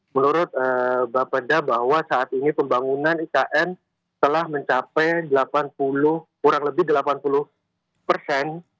menurut bapak da bahwa saat ini pembangunan ikn telah mencapai kurang lebih delapan puluh persen